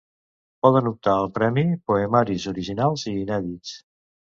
Poden optar al premi poemaris originals i inèdits.